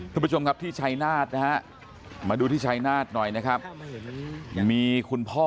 คุณผู้ชมครับที่ชัยนาฏนะฮะมาดูที่ชายนาฏหน่อยนะครับมีคุณพ่อ